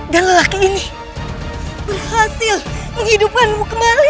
dan laki laki ini berhasil menghidupkanmu kembali